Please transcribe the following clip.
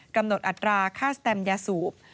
กำหนดอัตราค่าสแตมยาสูบ